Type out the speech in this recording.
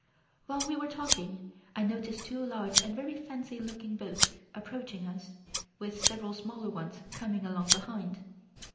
While we were talking I noticed two large and very fancy looking boats approaching us, with several smaller ones coming along behind.